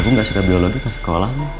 kamu gak suka biologi ke sekolah ya